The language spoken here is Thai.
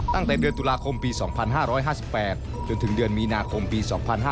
ตั้งแต่เดือนตุลาคมปี๒๕๕๘จนถึงเดือนมีนาคมปี๒๕๕๙